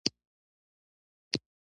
لرګی له طبیعته ترلاسه کېږي.